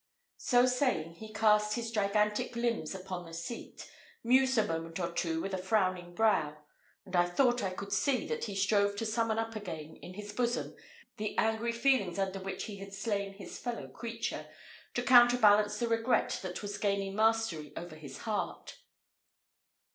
So saying, he cast his gigantic limbs upon a seat, mused a moment or two with a frowning brow; and I thought I could see that he strove to summon up again, in his bosom, the angry feelings under which he had slain his fellow creature, to counterbalance the regret that was gaining mastery over his heart.